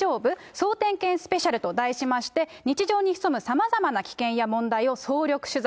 総点検スペシャルと題しまして、日常に潜むさまざまな危険や問題を総力取材。